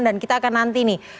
dan kita akan nanti nih